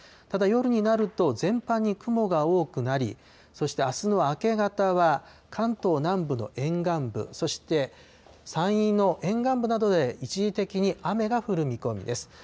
ただ、夜になると、全般に雲が多くなり、そしてあすの明け方は関東南部の沿岸部、そして山陰の沿岸部などで一時的に雨が降る見込みです。